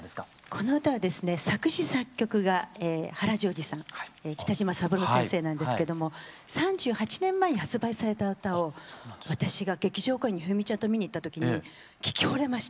この歌はですね作詞作曲が原譲二さん北島三郎先生なんですけども３８年前に発売された歌を私が劇場公演に冬美ちゃんと見に行った時に聴きほれまして。